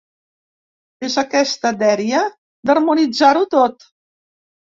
És aquesta dèria d’harmonitzar-ho tot.